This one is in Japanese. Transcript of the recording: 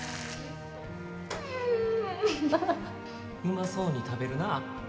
うまそうに食べるな。